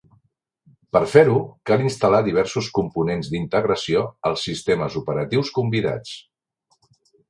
Per fer-ho, cal instal·lar diversos components d'integració als sistemes operatius convidats.